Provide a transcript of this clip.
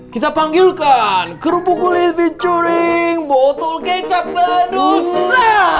kita panggilkan kerupuk kulit featuring botol kecap bandusa